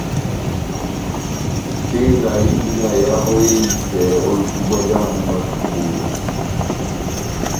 Tela indi na ehavo ehitɛ ó itubwa já mbúh mwá sukulu.